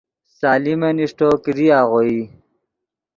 سلیمن اݰٹو، کیدی آغوئی